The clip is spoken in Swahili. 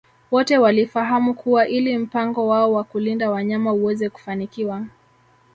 Wote walifahamu kuwa ili mpango wao wa kulinda wanyama uweze kufanikiwa